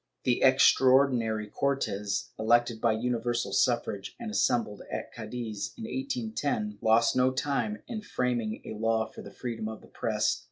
The Extraordinary Cortes, elected by universal suffrage and assembled at Cadiz in 1810, lost no time in framing a law for the freedom of * Cabrera, Relaciones, pp.